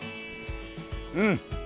うん！